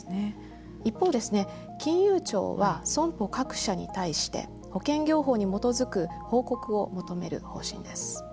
一方、金融庁は損保各社に対して保険業法に基づく報告を求める方針です。